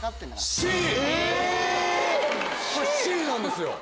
⁉Ｃなんですよ。